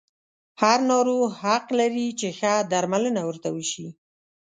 هر ناروغ حق لري چې ښه درملنه ورته وشي.